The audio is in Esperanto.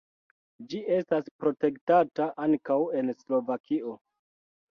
Ĝi estas protektata ankaŭ en Slovakio.